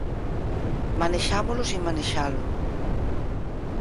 Manexámolo sen manexalo.